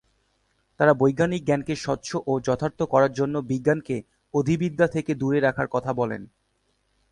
তারা বৈজ্ঞানিক জ্ঞানকে স্বচ্ছ ও যথার্থ করার জন্য বিজ্ঞানকে অধিবিদ্যা থেকে দূরে রাখার কথা বলেন।